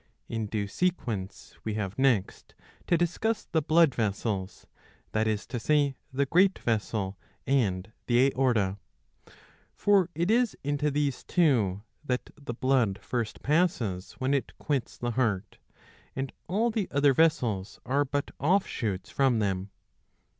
In due sequence we have next to discuss the blood vessels, that is to say the great vessel and the aorta. For it is into these two^ that the blood first passes when it quits the heart; and all the other vessels 667 b. 72 iii. 5. are but offshoots from them.